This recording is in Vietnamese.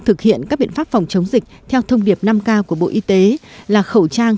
thực hiện các biện pháp phòng chống dịch theo thông điệp năm k của bộ y tế là khẩu trang